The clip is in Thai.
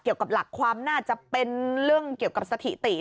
เกี่ยวกับหลักความน่าจะเป็นเรื่องเกี่ยวกับสถิติ